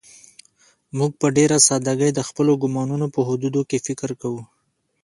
موږ په ډېره سادهګۍ د خپلو ګومانونو په حدودو کې فکر کوو.